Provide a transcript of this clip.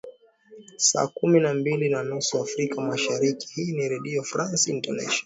saa kumi na mbili na nusu afrika mashariki hii ni redio france international